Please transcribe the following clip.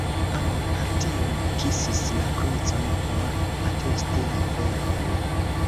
Ambaŭ partioj kisis la krucon por atesti la veron.